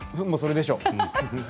もうそれでしょう。